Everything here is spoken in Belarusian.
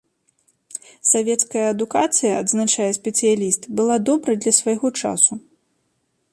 Савецкая адукацыя, адзначае спецыяліст, была добрай для свайго часу.